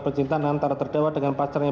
pencintaan antara terdewa dengan pacarnya